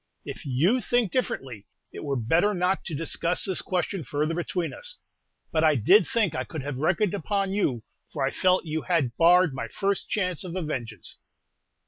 If you think differently, it were better not to discuss this question further between us; but I did think I could have reckoned upon you, for I felt you had barred my first chance of a vengeance."